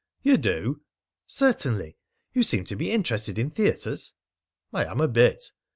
"You do?" "Certainly. You seem to be interested in theatres?" "I am a bit."